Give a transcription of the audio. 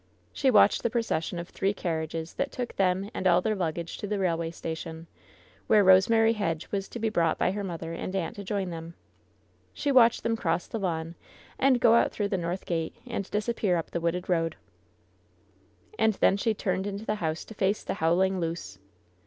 She watched the procession of three carriages that took them and all their luggage to the railway station, where Rosemary Hedge was to be brought by her mother and aunt to join them. She watched them cross the lawn, and go out through the north gate, and disappear up the wooded road. 168 LOVE'S BITTEREST CUP And then she turned into the house to face the howl< ing Luce.